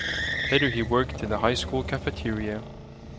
Later he worked in the high school cafeteria.